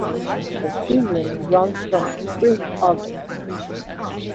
The season runs from April to August.